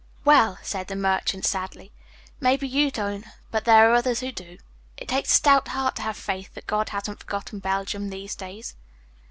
"Well," said the merchant sadly, "maybe you don't, but there are others who do. It takes a stout heart to have faith that God hasn't forgotten Belgium these days."